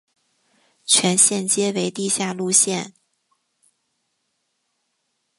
全线皆为地下路线。